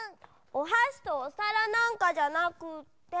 おはしとおさらなんかじゃなくって。